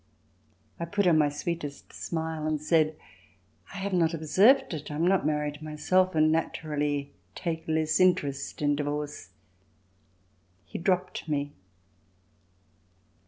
I put on my sweetest smile and said: "I have not observed it. I am not married myself, and naturally take less interest in divorce." He dropped me.